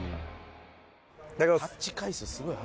いただきます。